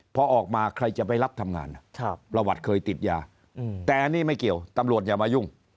พอออกมาใครจะไปรับทำงานประวัติเคยติดยาแต่อันนี้ไม่เกี่ยวตำรวจอย่ามายุ่ง